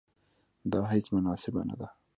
دا هیڅ مناسبه نه ده.